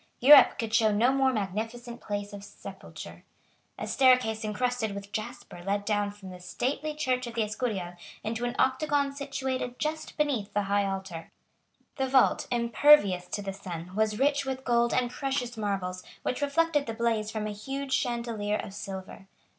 Europe could show no more magnificent place of sepulture. A staircase encrusted with jasper led down from the stately church of the Escurial into an octagon situated just beneath the high altar. The vault, impervious to the sun, was rich with gold and precious marbles, which reflected the blaze from a huge chandelier of silver.